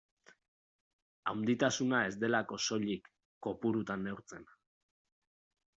Handitasuna ez delako soilik kopurutan neurtzen.